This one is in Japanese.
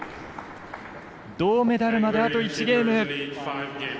銅メダルまであと１ゲーム。